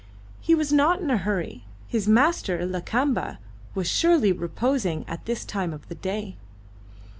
He was not in a hurry; his master, Lakamba, was surely reposing at this time of the day.